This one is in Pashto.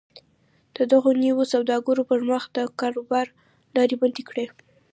د دغو نویو سوداګرو پر مخ د کاروبار لارې بندې کړي